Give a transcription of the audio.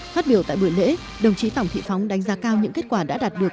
phát biểu tại buổi lễ đồng chí tổng thị phóng đánh giá cao những kết quả đã đạt được